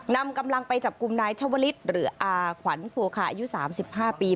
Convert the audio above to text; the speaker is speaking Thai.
นำกำลังไปจับกลุ่มนายชวลิศหรืออาขวัญโพคาอายุ๓๕ปี